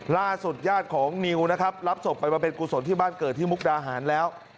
ล่าสุดญาติของนิวนะครับรับศพไปมาเป็นกุศลที่บ้านเกิดที่มุกดาหารแล้ว